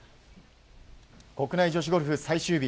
国内女子ゴルフ最終日。